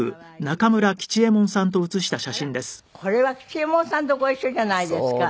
これは吉右衛門さんとご一緒じゃないですか。